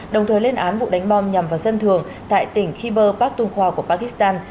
đồng thời lên án vụ đánh bom nhằm vào dân thường tại tỉnh khyber pakhtunkhwa của pakistan